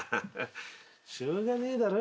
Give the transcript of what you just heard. しょうがねえだろ。